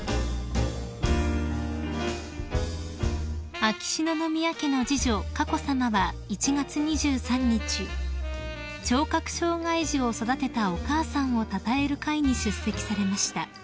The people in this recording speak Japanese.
［秋篠宮家の次女佳子さまは１月２３日聴覚障害児を育てたお母さんをたたえる会に出席されました］